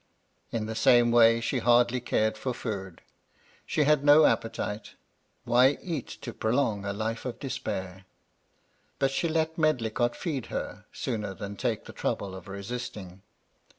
In the same way she hardly cared for food. She had no appetite, — why eat to prolong a life of despair ? But she let Medlicott feed her, sooner than take the trouble of resisting.